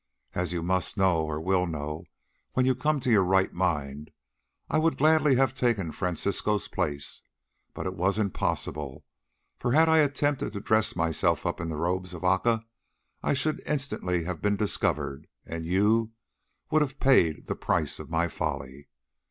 As you must know, or will know when you come to your right mind, I would gladly have taken Francisco's place. But it was impossible, for had I attempted to dress myself up in the robe of Aca, I should instantly have been discovered, and you would have paid the price of my folly.